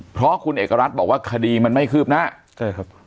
เพราะคุณเอกรัฐบอกว่าคดีมันไม่คืบหน้าใช่ครับ